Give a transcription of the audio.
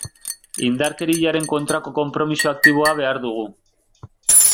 Indarkeriaren kontrako konpromiso aktiboa behar dugu.